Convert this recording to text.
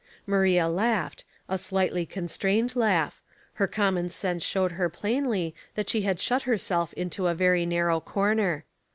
Maria laughed, a slightly constrained laugh ; her common sense showed her plainly that she had shut herself into a very narrow corner.